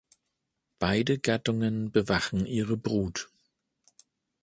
Beide Gattungen bewachen ihre Brut.